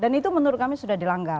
itu menurut kami sudah dilanggar